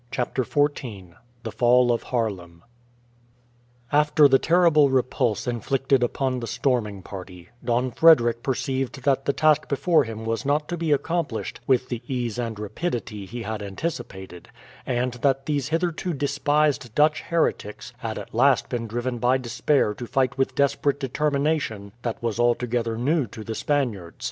CHAPTER XIV THE FALL OF HAARLEM After the terrible repulse inflicted upon the storming party, Don Frederick perceived that the task before him was not to be accomplished with the ease and rapidity he had anticipated, and that these hitherto despised Dutch heretics had at last been driven by despair to fight with desperate determination that was altogether new to the Spaniards.